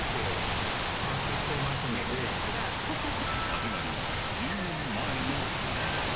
始まりは１０年前の夏。